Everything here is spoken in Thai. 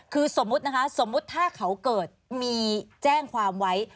คือสมมุตินะคะสมมุติถ้าเขาเกิดมีแจ้งความไว้